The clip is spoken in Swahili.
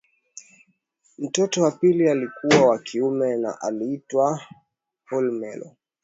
Mtoto wa pili alikuwa wa kiume na allitwa Hlumelo